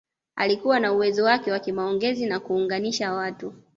Alikuwa na uwezo wake wa kimaongezi na kuunganisha watu